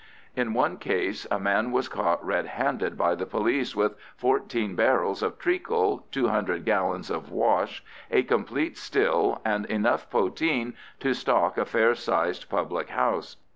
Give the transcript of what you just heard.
In one case a man was caught red handed by the police with fourteen barrels of treacle, 200 gallons of wash, a complete still, and enough poteen to stock a fair sized public house.